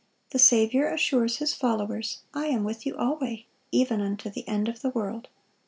The Saviour assures His followers, "I am with you alway, even unto the end of the world."